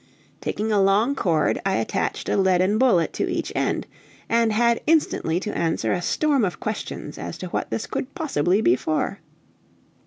Taking a long cord, I attached a leaden bullet to each end and had instantly to answer a storm of questions as to what this could possibly be for.